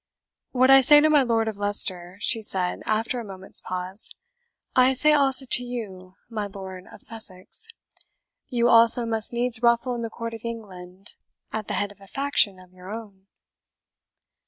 "What I say to my Lord of Leicester," she said, after a moment's pause, "I say also to you, my Lord of Sussex. You also must needs ruffle in the court of England, at the head of a faction of your own?"